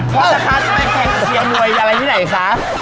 ว่าราคาจะไปแข่งกับเฮียมวยอะไรที่ไหนคะ